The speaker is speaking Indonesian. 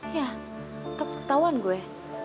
iya tetap kawan gue